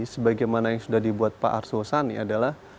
sebagaimana yang sudah dibuat pak arso hosani adalah